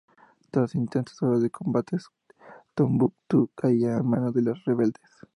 Tras intensas horas de combates, Tombuctú caía en manos de los rebeldes.